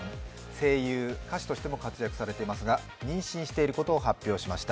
声優・歌手としても活躍されていますが、妊娠していることを発表されました。